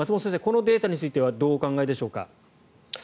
このデータについてはどうお考えでしょうか。